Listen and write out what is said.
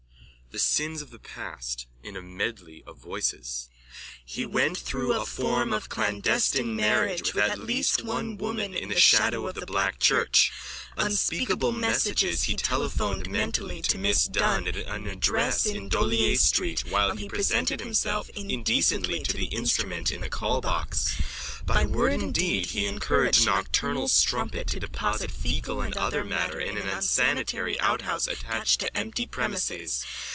THE SINS OF THE PAST: (In a medley of voices.) He went through a form of clandestine marriage with at least one woman in the shadow of the Black church. Unspeakable messages he telephoned mentally to Miss Dunn at an address in D'Olier street while he presented himself indecently to the instrument in the callbox. By word and deed he frankly encouraged a nocturnal strumpet to deposit fecal and other matter in an unsanitary outhouse attached to empty premises.